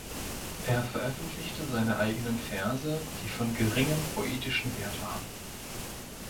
Er veröffentlichte seine eigenen Verse, die von geringem poetischen Wert waren.